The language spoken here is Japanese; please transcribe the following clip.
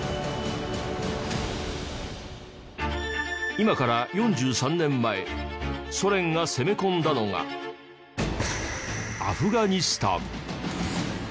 今から４３年前ソ連が攻め込んだのがアフガニスタン。